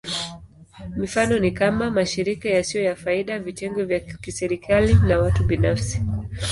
Mifano ni kama: mashirika yasiyo ya faida, vitengo vya kiserikali, na watu binafsi.